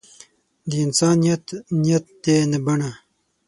د انسان نیت نیت دی نه بڼه.